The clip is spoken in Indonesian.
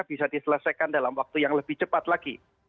bisa diselesaikan dalam waktu yang lebih cepat lagi